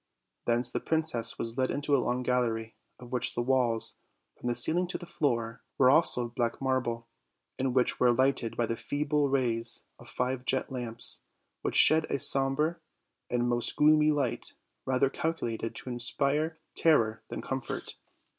Thence the princess was led into a long gallery, of which the walls, from the ceiling to the floor, were also of black marble, and which were lighted b} the feeble rays of five jet lamps, which shed a somber and most gloomy light, rather calculated to inspire terror than comfort.